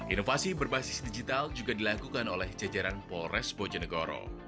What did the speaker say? inovasi berbasis digital juga dilakukan oleh jajaran polres bojonegoro